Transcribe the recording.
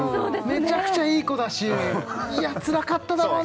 メチャクチャいい子だしいやつらかっただろうな